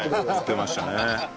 言ってましたね。